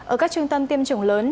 ở các trung tâm tiêm chủng lớn